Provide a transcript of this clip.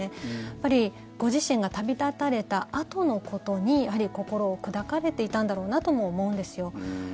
やっぱりご自身が旅立たれたあとのことに心を砕かれていたんだろうなとも思うんですよ。